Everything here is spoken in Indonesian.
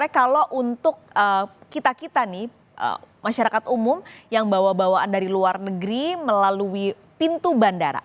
kalau untuk kita kita nih masyarakat umum yang bawa bawaan dari luar negeri melalui pintu bandara